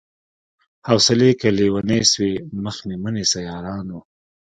حوصلې که ليونۍ سوې مخ يې مه نيسئ يارانو